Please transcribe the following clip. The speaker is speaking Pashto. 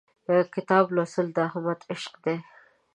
کتاب لوستل د احمد عشق دی.